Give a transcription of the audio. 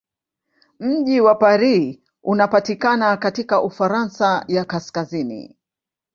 Mji wa Paris unapatikana katika Ufaransa ya kaskazini.